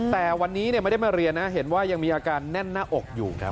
แต่วันนี้ไม่ได้มาเรียนนะเห็นว่ายังมีอาการแน่นหน้าอกอยู่ครับ